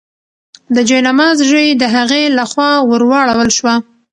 د جاینماز ژۍ د هغې لخوا ورواړول شوه.